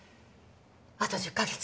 あと１０カ月。